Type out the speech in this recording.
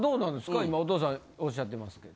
今お父さんおっしゃってますけど。